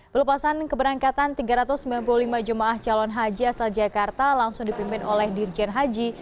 pelepasan keberangkatan tiga ratus sembilan puluh lima jemaah calon haji asal jakarta langsung dipimpin oleh dirjen haji